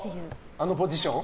あのポジション？